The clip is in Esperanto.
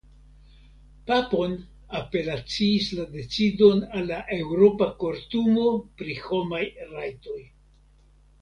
Papon apelaciis la decidon al la Eŭropa Kortumo pri Homaj Rajtoj.